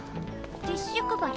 ティッシュ配り？